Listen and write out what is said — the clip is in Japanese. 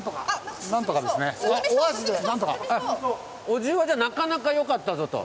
お重はじゃあなかなかよかったぞと。